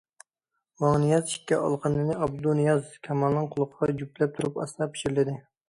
ۋاڭ نىياز ئىككى ئالىقىنىنى ئابدۇنىياز كامالنىڭ قۇلىقىغا جۈپلەپ تۇرۇپ ئاستا پىچىرلىدى.